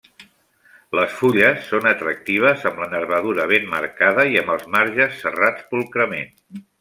Les fulles són atractives amb la nervadura ben marcada i amb els marges serrats pulcrament.